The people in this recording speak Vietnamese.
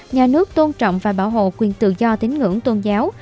nhà nước tôn trọng và bảo hộ quyền tự do tín ngưỡng tôn giáo